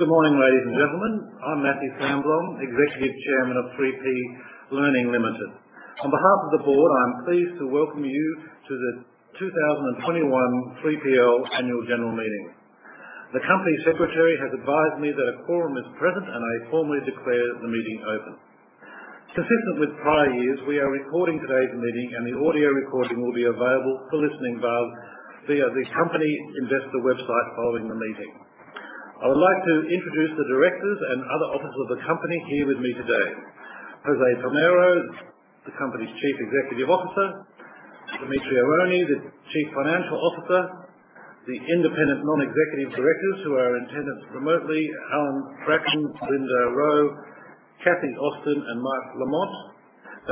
Good morning, ladies and gentlemen. I'm Matthew Sandblom, Executive Chairman of 3P Learning Limited. On behalf of the board, I am pleased to welcome you to the 2021 3PL Annual General Meeting. The company secretary has advised me that a quorum is present, and I formally declare the meeting open. Consistent with prior years, we are recording today's meeting, and the audio recording will be available for listening via the company investor website following the meeting. I would like to introduce the directors and other officers of the company here with me today. Jose Palmero, the company's Chief Executive Officer. Dimitri Aroney, the Chief Financial Officer. The independent non-executive directors who are in attendance remotely, Allan Brackin, Belinda Rowe, Kathy Ostin, and Mark Lamont.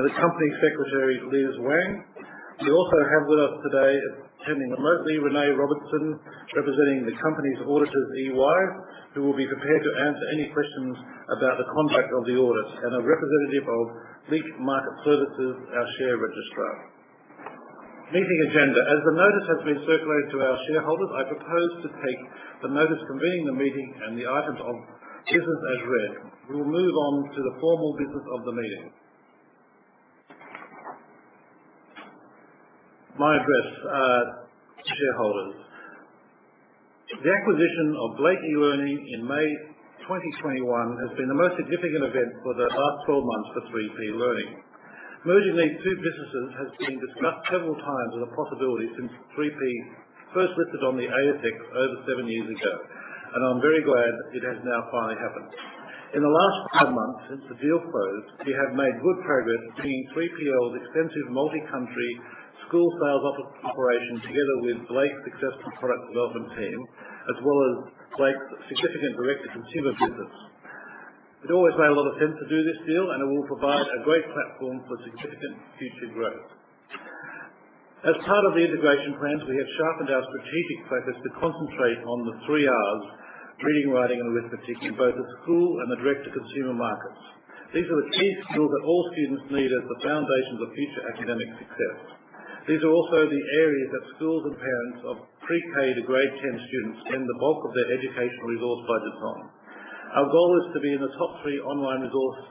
The Company Secretary, Liz Wang. We also have with us today, attending remotely, Renee Robertson, representing the company's auditors, EY, who will be prepared to answer any questions about the conduct of the audit and a representative of Link Market Services, our share registrar. Meeting agenda. As the notice has been circulated to our shareholders, I propose to take the notice convening the meeting and the items of business as read. We will move on to the formal business of the meeting. My address, shareholders. The acquisition of Blake eLearning in May 2021 has been the most significant event for the last 12 months for 3P Learning. Merging these two businesses has been discussed several times as a possibility since 3P first listed on the ASX over seven years ago, and I'm very glad it has now finally happened. In the last five months since the deal closed, we have made good progress bringing 3PL's extensive multi-country school sales office operation together with Blake's successful product development team, as well as Blake's significant direct-to-consumer business. It always made a lot of sense to do this deal, and it will provide a great platform for significant future growth. As part of the integration plans, we have sharpened our strategic focus to concentrate on the three Rs, reading, writing, and arithmetic in both the school and the direct-to-consumer markets. These are the key skills that all students need as the foundations of future academic success. These are also the areas that schools and parents of pre-K to grade 10 students spend the bulk of their educational resource budgets on. Our goal is to be in the top three online resources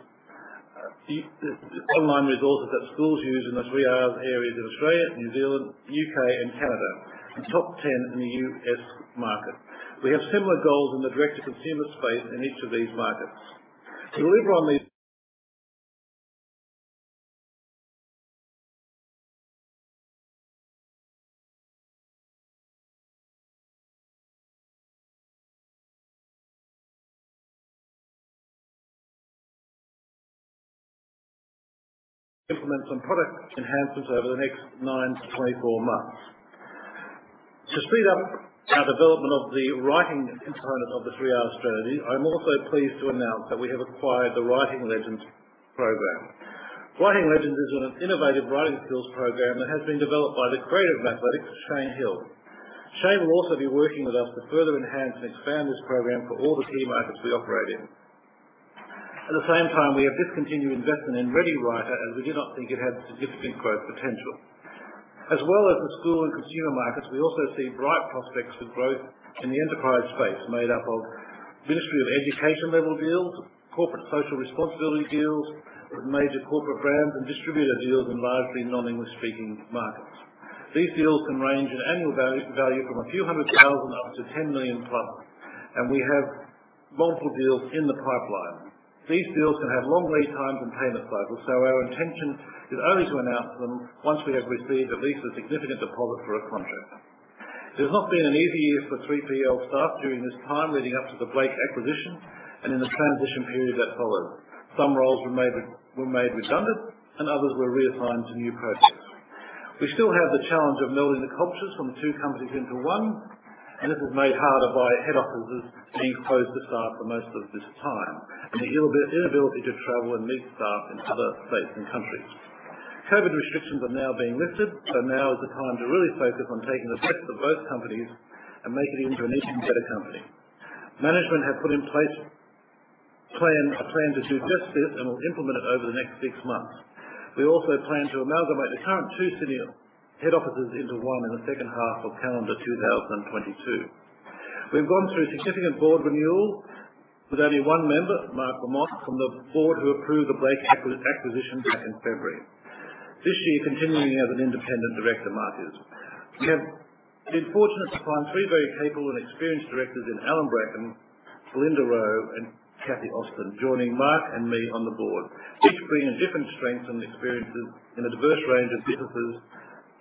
that schools use in the three Rs areas of Australia, New Zealand, U.K., and Canada, and top 10 in the U.S. market. We have similar goals in the direct-to-consumer space in each of these markets. To deliver on these implementations and product enhancements over the next nine to 24 months. To speed up our development of the writing component of the three R strategy, I'm also pleased to announce that we have acquired the Writing Legends program. Writing Legends is an innovative writing skills program that has been developed by the creator of Mathletics, Shane Hill. Shane will also be working with us to further enhance and expand this program for all the key markets we operate in. At the same time, we have discontinued investment in ReadiWriter as we did not think it had significant growth potential. As well as the school and consumer markets, we also see bright prospects for growth in the enterprise space made up of Ministry of Education-level deals, corporate social responsibility deals with major corporate brands and distributor deals in largely non-English speaking markets. These deals can range in annual value from a few hundred thousand up to 10 million plus, and we have multiple deals in the pipeline. These deals can have long lead times and payment cycles, so our intention is only to announce them once we have received at least a significant deposit for a contract. It has not been an easy year for 3PL staff during this time leading up to the Blake acquisition and in the transition period that followed. Some roles were made redundant and others were reassigned to new projects. We still have the challenge of melding the cultures from the two companies into one, and this is made harder by head offices being closed to staff for most of this time and the inability to travel and meet staff in other states and countries. COVID restrictions are now being lifted, so now is the time to really focus on taking the best of both companies and make it into an even better company. Management have put in place a plan to do just this and will implement it over the next six months. We also plan to amalgamate the current two Sydney head offices into one in the H2 of calendar 2022. We've gone through significant board renewal with only one member, Mark Lamont, from the board who approved the Blake acquisition back in February. This year, continuing as an independent director, Mark is. We have been fortunate to find three very capable and experienced directors in Allan Brackin, Belinda Rowe, and Kathy Ostin joining Mark and me on the board, each bringing different strengths and experiences in a diverse range of businesses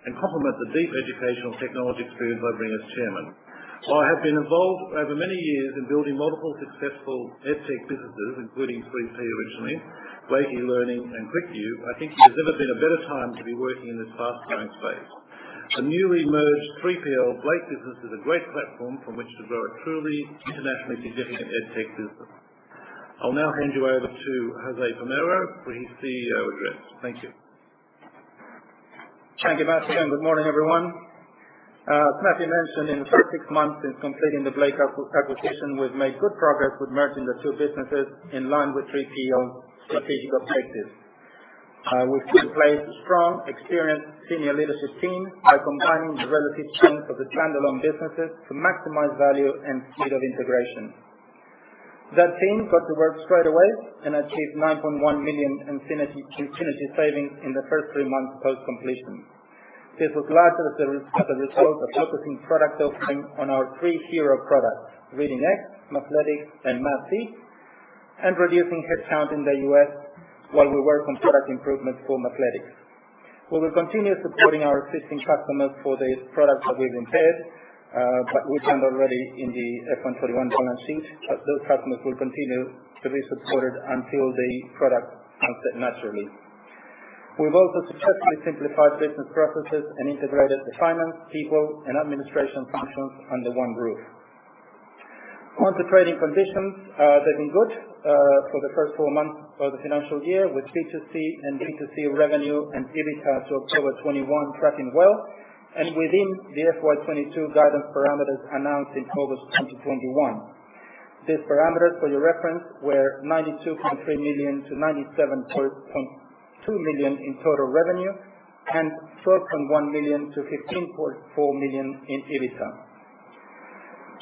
and complement the deep educational technology experience I bring as chairman. I have been involved over many years in building multiple successful EdTech businesses, including 3P originally, Blake eLearning, and ClickView. I think there's never been a better time to be working in this fast-growing space. The newly merged 3PL Blake business is a great platform from which to grow a truly internationally significant EdTech business. I'll now hand you over to Jose Palmero for his CEO address. Thank you. Thank you, Matthew, and good morning, everyone. As Matthew mentioned, in the first six months since completing the Blake acquisition, we've made good progress with merging the two businesses in line with 3PL's strategic objectives. We've put in place a strong, experienced senior leadership team by combining the relative strengths of the standalone businesses to maximize value and speed of integration. That team got to work straight away and achieved 9.1 million in synergy savings in the first three months post completion. This was largely as a result of focusing product offering on our three hero products, Reading Eggs, Mathletics, and Mathseeds, and reducing headcount in the U.S. while we work on product improvements for Mathletics. We will continue supporting our existing customers for the products that we've impaired, but we've done already in the AASB 141 balance sheet, but those customers will continue to be supported until the product sunset naturally. We've also successfully simplified business processes and integrated the finance, people, and administration functions under one roof. Market trading conditions, they've been good, for the first four months of the financial year with B2C and D2C revenue and EBITDA to October 2021 tracking well and within the FY 2022 guidance parameters announced in August 2021. These parameters, for your reference, were 92.3 million-97.2 million in total revenue and 12.1 million-15.4 million in EBITDA.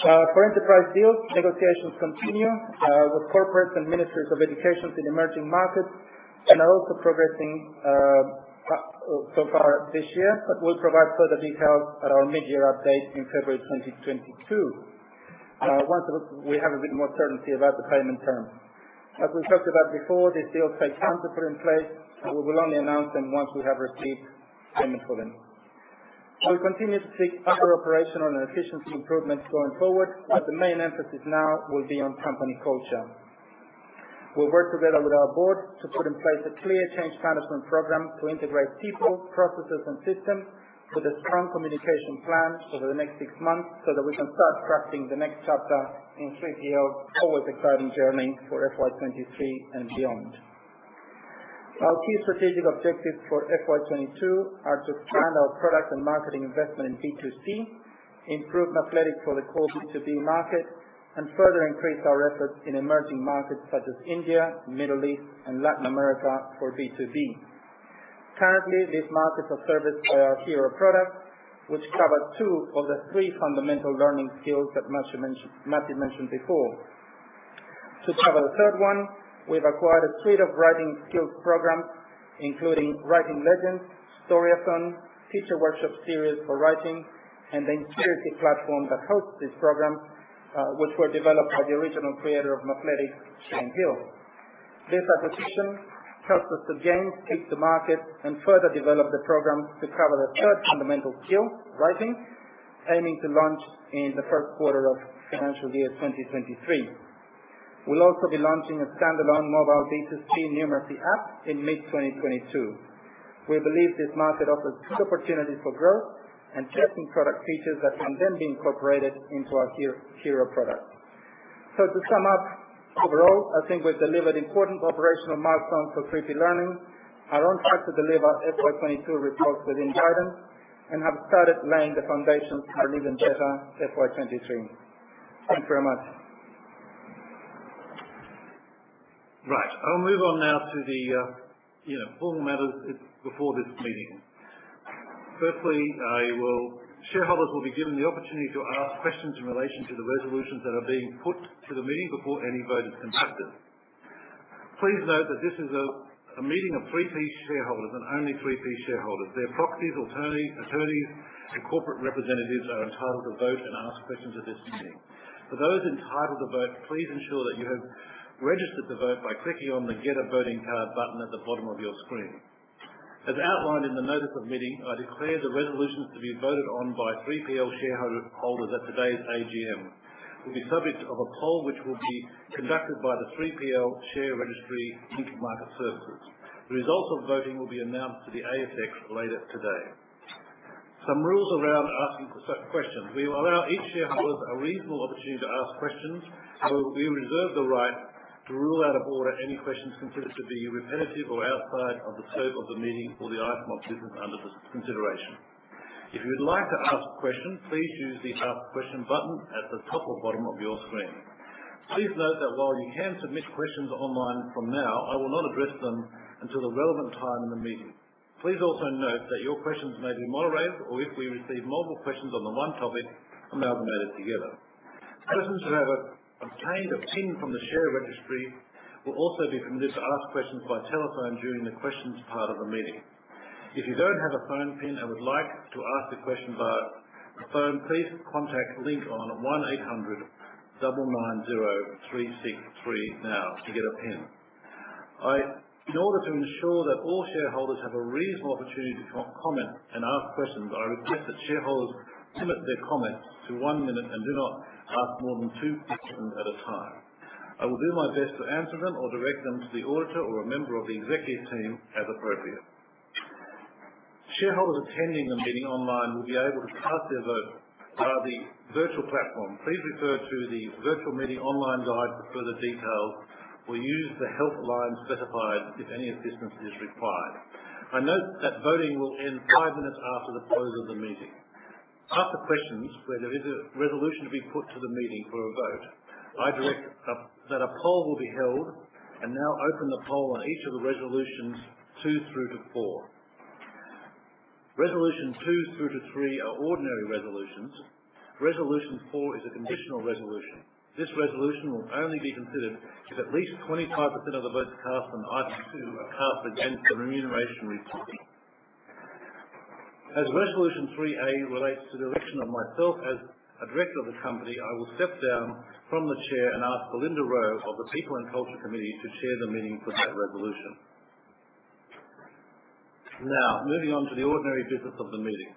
For enterprise deals, negotiations continue with corporates and ministries of education in emerging markets and are also progressing so far this year. We'll provide further details at our mid-year update in February 2022, once we have a bit more certainty about the payment terms. As we talked about before, these deals take time to put in place, and we will only announce them once we have received payment for them. We'll continue to seek other operational and efficiency improvements going forward, but the main emphasis now will be on company culture. We'll work together with our board to put in place a clear change management program to integrate people, processes, and systems with a strong communication plan over the next six months, so that we can start crafting the next chapter in 3PL's forward exciting journey for FY 2023 and beyond. Our key strategic objectives for FY 2022 are to expand our product and marketing investment in B2C, improve Mathletics for the core B2B market, and further increase our efforts in emerging markets such as India, Middle East, and Latin America for B2B. Currently, these markets are serviced by our hero products, which cover two of the three fundamental learning skills that Matthew mentioned before. To cover the third one, we've acquired a suite of writing skills programs, including Writing Legends, Storyathon, Teacher Workshop Series for writing, and the Inspirity platform that hosts this program, which were developed by the original creator of Mathletics, Shane Hill. This acquisition helps us to gain scale to market and further develop the program to cover the third fundamental skill, writing, aiming to launch in the Q1 of financial year 2023. We'll also be launching a standalone mobile B2C numeracy app in mid-2022. We believe this market offers good opportunities for growth and testing product features that can then be incorporated into our hero products. To sum up, overall, I think we've delivered important operational milestones for 3P Learning. We are on track to deliver FY 2022 results within guidance and have started laying the foundations for an even better FY 2023. Thank you very much. Right. I'll move on now to the formal matters before this meeting. Shareholders will be given the opportunity to ask questions in relation to the resolutions that are being put to the meeting before any vote is conducted. Please note that this is a meeting of 3P shareholders and only 3P shareholders, their proxies, attorneys, and corporate representatives are entitled to vote and ask questions at this meeting. For those entitled to vote, please ensure that you have registered to vote by clicking on the Get A Voting Card button at the bottom of your screen. As outlined in the notice of meeting, I declare the resolutions to be voted on by 3PL shareholders at today's AGM will be subject to a poll which will be conducted by the 3PL share registry Link Market Services. The results of voting will be announced to the ASX later today. Some rules around asking for such questions. We will allow each shareholder a reasonable opportunity to ask questions. We reserve the right to rule out of order any questions considered to be repetitive or outside of the scope of the meeting or the item of business under this consideration. If you'd like to ask a question, please use the Ask Question button at the top or bottom of your screen. Please note that while you can submit questions online from now, I will not address them until the relevant time in the meeting. Please also note that your questions may be moderated, or if we receive multiple questions on the one topic, amalgamated together. Persons who have obtained a pin from the share registry will also be permitted to ask questions by telephone during the questions part of the meeting. If you don't have a phone pin and would like to ask a question via the phone, please contact Link on 1800-990-363 now to get a pin. In order to ensure that all shareholders have a reasonable opportunity to comment and ask questions, I request that shareholders limit their comments to one minute and do not ask more than two questions at a time. I will do my best to answer them or direct them to the auditor or a member of the executive team as appropriate. Shareholders attending the meeting online will be able to cast their vote via the virtual platform. Please refer to the Virtual Meeting Online Guide for further details. We use the helpline specified if any assistance is required. I note that voting will end five minutes after the close of the meeting. After questions, where there is a resolution to be put to the meeting for a vote, I direct that a poll will be held and now open the poll on each of the resolutions two through to four. Resolutions two through to three are ordinary resolutions. Resolution four is a conditional resolution. This resolution will only be considered if at least 25% of the votes cast on item two are cast against the remuneration report. As Resolution 3A relates to the election of myself as a director of the company, I will step down from the chair and ask Belinda Rowe of the People and Culture Committee to chair the meeting for that resolution. Now, moving on to the ordinary business of the meeting.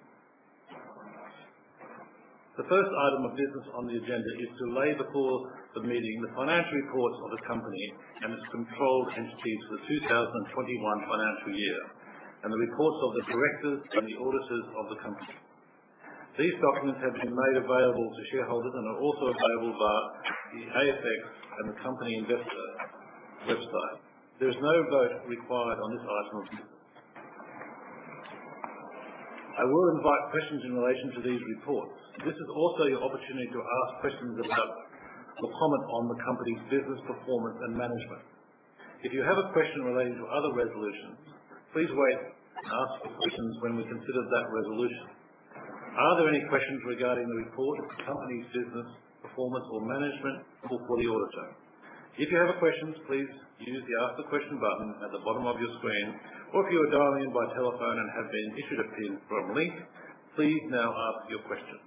The first item of business on the agenda is to lay before the meeting the financial reports of the company and its controlled entities for the 2021 financial year, and the reports of the directors and the auditors of the company. These documents have been made available to shareholders and are also available via the ASX and the company investor website. There's no vote required on this item. I will invite questions in relation to these reports. This is also your opportunity to ask questions about or comment on the company's business performance and management. If you have a question relating to other resolutions, please wait and ask your questions when we consider that resolution. Are there any questions regarding the report, the company's business performance or management or for the auditor? If you have a question, please use the Ask a Question button at the bottom of your screen, or if you are dialing in by telephone and have been issued a pin from Link, please now ask your question.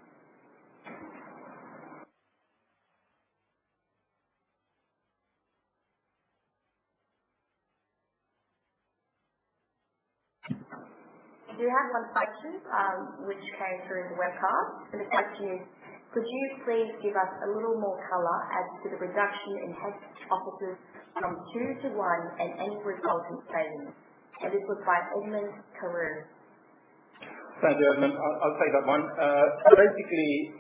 We have one question, which came through the webcast, and the question is, could you please give us a little more color as to the reduction in head offices from two to one and any resultant savings? This was by Edmund Carew. Thank you, Edmund. I'll take that one. Basically,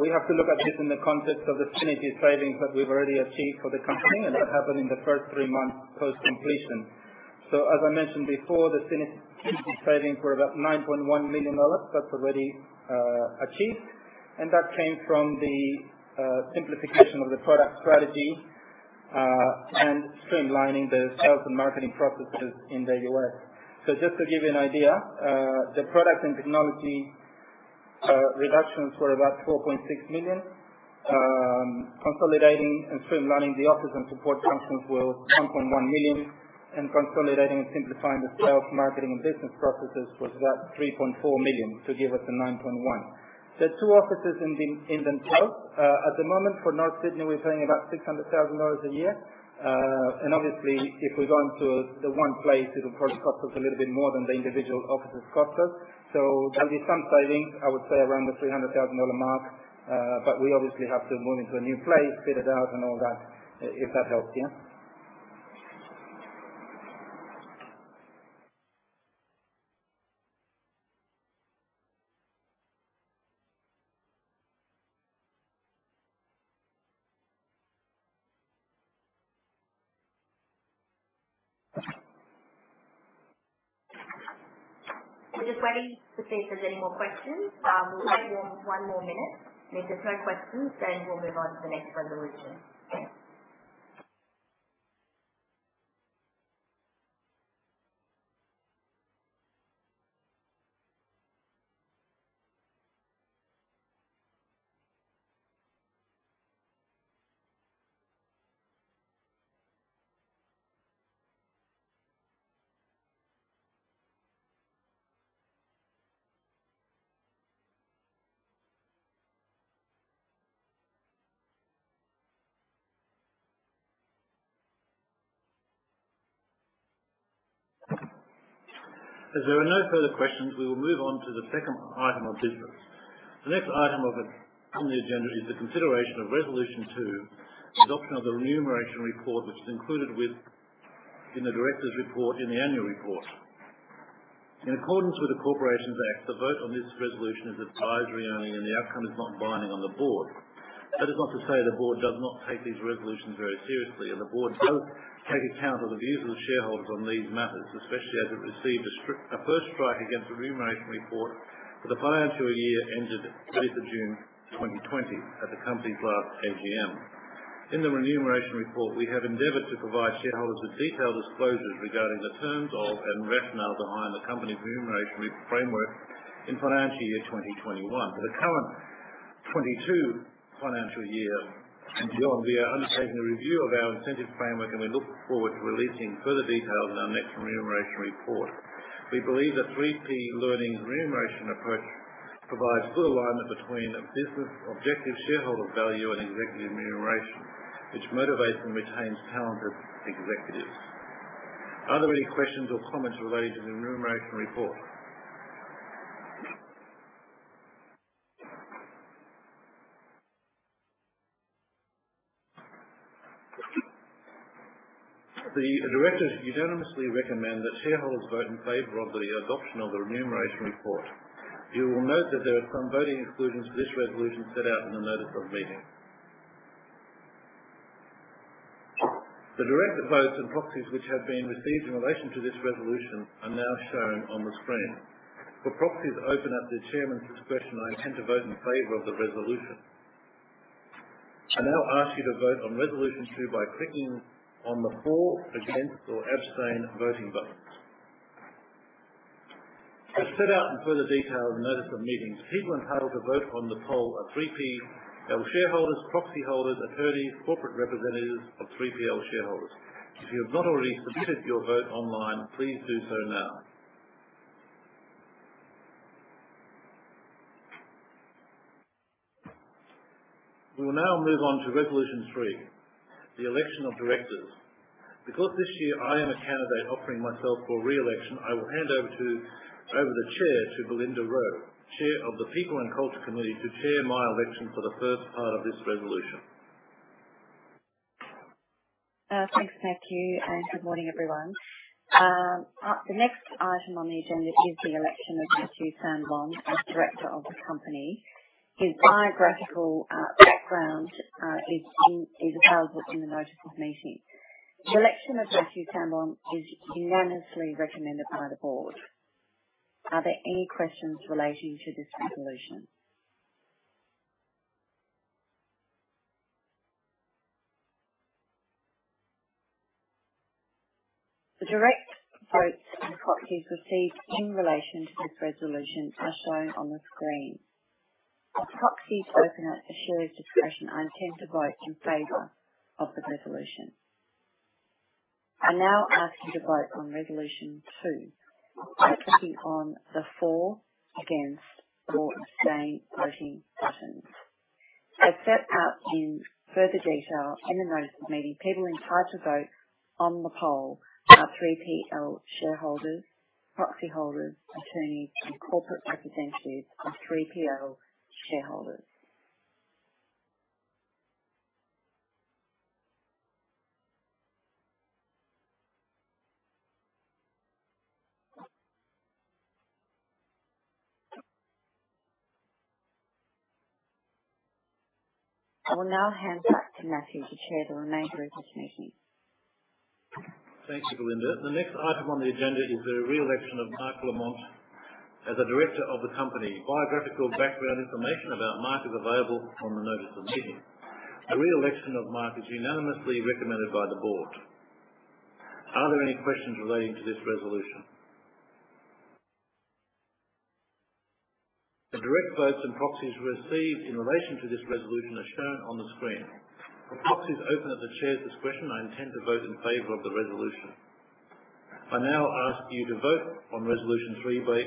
we have to look at this in the context of the synergy savings that we've already achieved for the company, and that happened in the first three months post-completion. As I mentioned before, the synergy savings were about 9.1 million dollars. That's already achieved, and that came from the simplification of the product strategy and streamlining the sales and marketing processes in daily work. Just to give you an idea, the product and technology reductions were about 4.6 million. Consolidating and streamlining the office and support functions were 1.1 million. Consolidating and simplifying the sales, marketing, and business processes was about 3.4 million to give us 9.1 million. The two offices, one being in the south at the moment and one in North Sydney, we're paying about 600,000 dollars a year. Obviously, if we're going to the one place, it'll probably cost us a little bit more than the individual offices cost us. There'll be some savings, I would say around the 300,000 dollar mark. We obviously have to move into a new place, fit it out and all that, if that helps. We're just waiting to see if there's any more questions. We'll wait for almost one more minute. If there's no questions, then we'll move on to the next resolution. As there are no further questions, we will move on to the second item of business. The next item on the agenda is the consideration of Resolution two, Adoption of the Remuneration Report, which is included in the Directors' Report, in the Annual Report. In accordance with the Corporations Act, the vote on this resolution is advisory only, and the outcome is not binding on the board. That is not to say the board does not take these resolutions very seriously, and the board does take account of the views of the shareholders on these matters, especially as it received a first strike against the Remuneration Report for the financial year ended 30th June 2020 at the company's last AGM. In the remuneration report, we have endeavored to provide shareholders with detailed disclosures regarding the terms of and rationale behind the company's remuneration framework in financial year 2021. For the current 2022 financial year and beyond, we are undertaking a review of our incentives framework, and we look forward to releasing further details in our next remuneration report. We believe that 3P Learning's remuneration approach provides good alignment between a business objective, shareholder value, and executive remuneration, which motivates and retains talented executives. Are there any questions or comments related to the remuneration report? The directors unanimously recommend that shareholders vote in favor of the adoption of the remuneration report. You will note that there are some voting exclusions for this resolution set out in the notice of meeting. The direct votes and proxies which have been received in relation to this resolution are now shown on the screen. For proxies open at the chairman's discretion, I intend to vote in favor of the resolution. I now ask you to vote on resolution two by clicking on the For, Against, or Abstain voting buttons. As set out in further detail in the notice of meetings, people entitled to vote on the poll are 3PL shareholders, proxy holders, attorneys, corporate representatives of 3PL shareholders. If you have not already submitted your vote online, please do so now. We will now move on to resolution three, the election of directors. Because this year I am a candidate offering myself for re-election, I will hand over the chair to Belinda Rowe, Chair of the People and Culture Committee, to chair my election for the first part of this resolution. Thanks, Matthew, and good morning, everyone. The next item on the agenda is the election of Matthew Sandblom as director of the company. His biographical background is available in the notice of meeting. The election of Matthew Sandblom is unanimously recommended by the board. Are there any questions relating to this resolution? The direct votes and proxies received in relation to this resolution are shown on the screen. For proxies open at the chair's discretion, I intend to vote in favor of the resolution. I now ask you to vote on resolution two by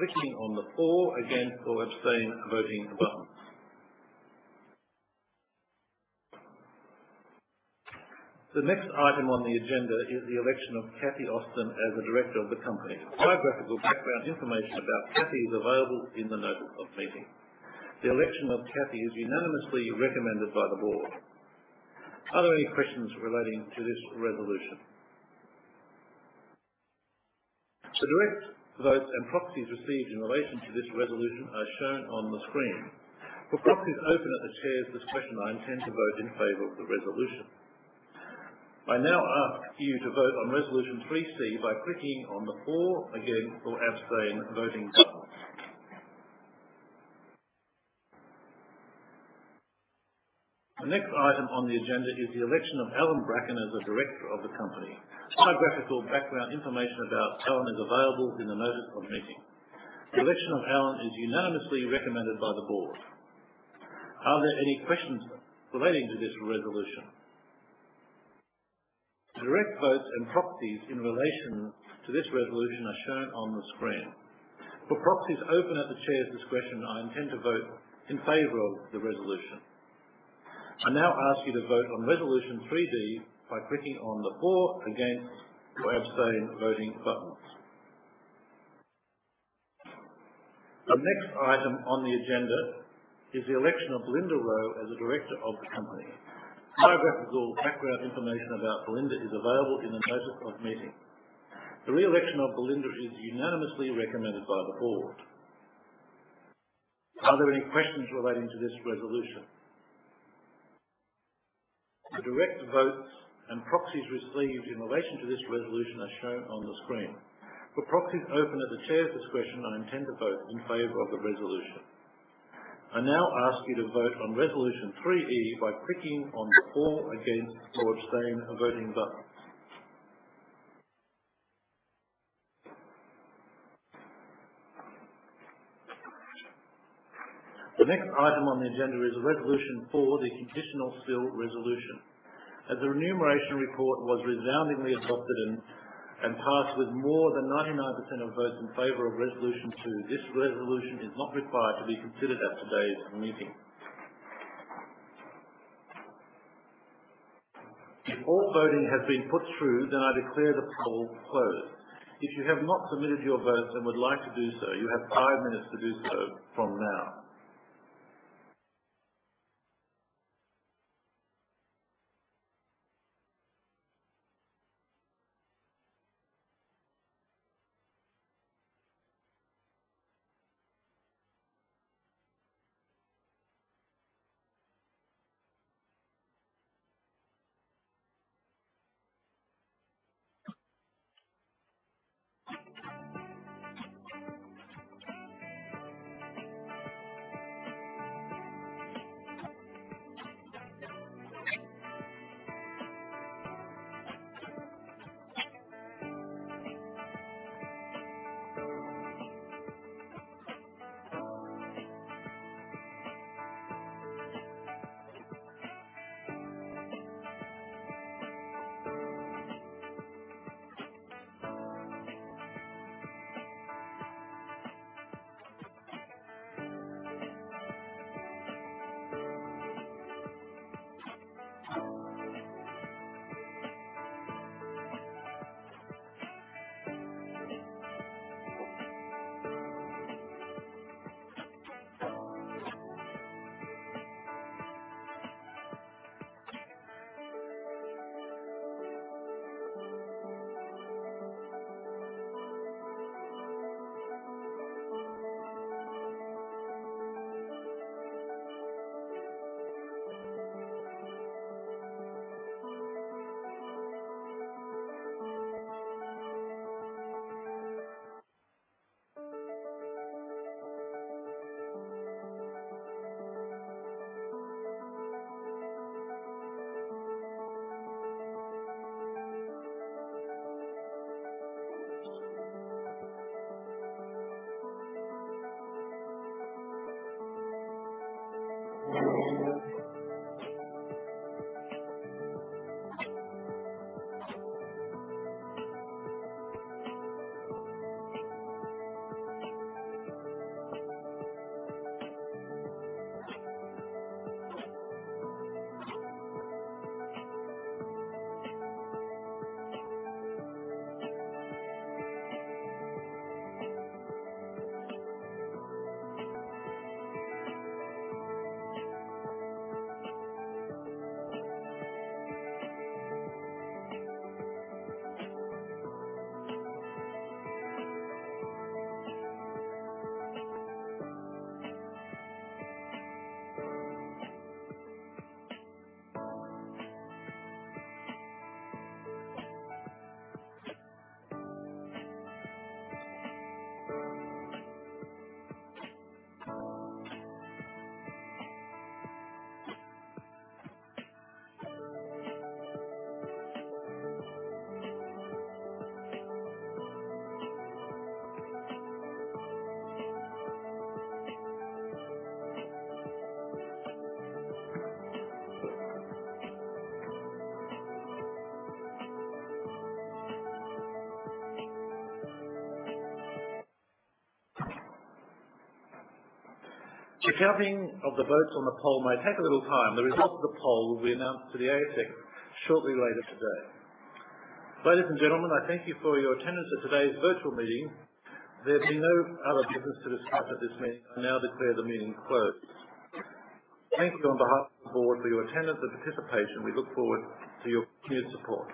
clicking on the For, Against, or Abstain voting buttons. As set out in further detail in the notice of meeting, people entitled to vote on the poll are 3PL shareholders, proxy holders, attorneys, and corporate representatives of 3PL shareholders. I will now hand back to Matthew to chair the remainder of this meeting. Thank you, Belinda. The next item on the agenda is the re-election of Mark Lamont as a director of the company. Biographical background information about Mark is available on the notice of meeting. The re-election of Mark is unanimously recommended by the board. Are there any questions relating to this resolution? The next item on the agenda is the election of Allan Brackin as a director of the company. Biographical background information about Allan is available in the notice of meeting. The election of Allan is unanimously recommended by the board. Are there any questions relating to this resolution? The direct votes and proxies in relation to this resolution are shown on the screen. For proxies open at the chair's discretion, I intend to vote in favor of the resolution. I now ask you to vote on resolution 3D by clicking on the For, Against, or Abstain voting buttons. The next item on the agenda is the election of Belinda Rowe as a director of the company. Biographical background information about Belinda is available in the notice of meeting. The re-election of Belinda is unanimously recommended by the board. Are there any questions relating to this resolution? The direct votes and proxies received in relation to this resolution are shown on the screen. For proxies open at the chair's discretion, I intend to vote in favor of the resolution. I now ask you to vote on resolution 3E by clicking on the For, Against, or Abstain voting buttons. The next item on the agenda is resolution four, the conditional spill resolution. As the remuneration report was resoundingly adopted and passed with more than 99% of votes in favor of resolution two, this resolution is not required to be considered at today's meeting. If all voting has been put through, then I declare the poll closed. If you have not submitted your votes and would like to do so, you have five minutes to do so from now. The counting of the votes on the poll may take a little time. The results of the poll will be announced to the ASX shortly later today. Ladies and gentlemen, I thank you for your attendance at today's virtual meeting. There's been no other business to discuss at this meeting. I now declare the meeting closed. Thank you on behalf of the board for your attendance and participation. We look forward to your continued support.